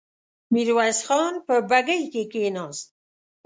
ميرويس خان په بګۍ کې کېناست.